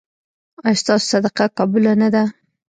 ایا ستاسو صدقه قبوله نه ده؟